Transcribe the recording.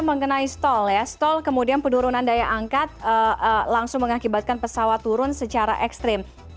mengenai stol ya stol kemudian penurunan daya angkat langsung mengakibatkan pesawat turun secara ekstrim